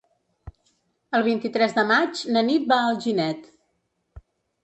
El vint-i-tres de maig na Nit va a Alginet.